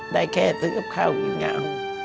ได้แค่ซึ้งครับข้าวมีอยากเอา